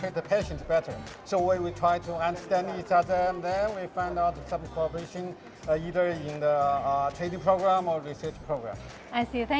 ya kami berdua menghadapi tantangan dan penyebab penyakit kardio vasku di kedua negara